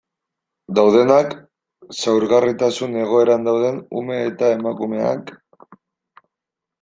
Daudenak, zaurgarritasun egoeran dauden ume eta emakumeak...